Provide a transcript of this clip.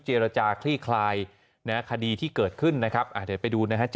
เจรจาคลี่คลายคดีที่เกิดขึ้นนะครับเดี๋ยวไปดูนะฮะ